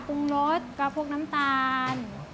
ปรุงรสก็พวกน้ำตาล